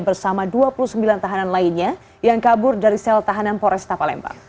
bersama dua puluh sembilan tahanan lainnya yang kabur dari sel tahanan polresta palembang